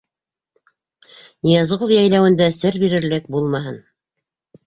Ныязғол йәйләүендә сер бирерлек булмаһын.